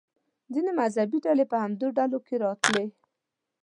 ځینې مذهبي ډلې په همدې ډلو کې راتلې.